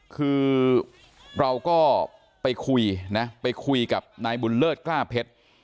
คือเราก็ไปคุยนะไปคุยกับนายบุญเลิศกล้าเพชร